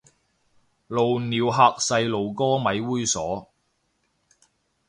露鳥嚇細路哥咪猥褻